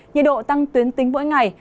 nhiệt độ tăng tuyến tính mỗi ngày